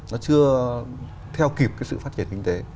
nó chưa theo kịp cái sự phát triển kinh tế